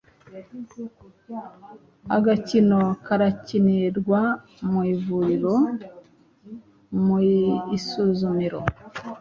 Agakino karakinirwa ku ivuriro, mu isuzumiro.